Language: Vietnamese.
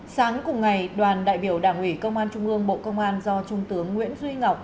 sáng cùng ngày đoàn đại biểu đảng ủy công an trung ương bộ công an do trung tướng nguyễn duy ngọc